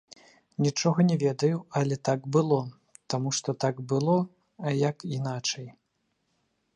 Нічога не ведаю, але так было, таму што так было, а як іначай.